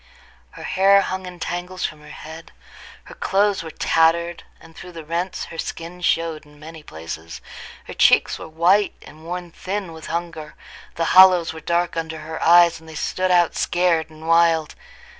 Her hair hung in tangles from her head; her clothes were tattered, and through the rents her skin showed in many places; her cheeks were white, and worn thin with hunger; the hollows were dark under her eyes, and they stood out scared and wild.